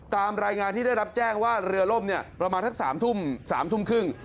ตามรายงานที่ได้รับแจ้งว่าเรือล่มประมาณสัก๓ทุ่ม๓ทุ่มครึ่ง